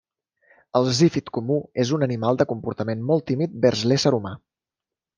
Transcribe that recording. El zífid comú és un animal de comportament molt tímid vers l'ésser humà.